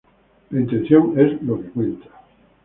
La intención es lo que cuenta